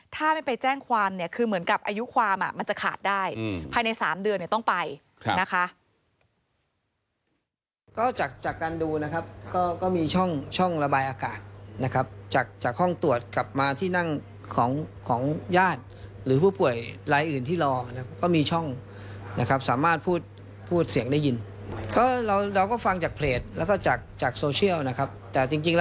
ถ้าไม่ไปแจ้งความเนี้ยคือเหมือนกับอายุความอ่ะมันจะขาดได้อืมภายในสามเดือนเนี้ยต้องไปนะคะก็จากจากการดูนะครับก็ก็มีช่องช่องระบายอากาศนะครับจากจากห้องตรวจกลับมาที่นั่งของของญาติหรือผู้ป่วยรายอื่นที่รอก็มีช่องนะครับสามารถพูดพูดเสียงได้ยินก็เราก็ฟังจากเพลจแล้วก็จากจากโซเชียลนะครับแต่จริง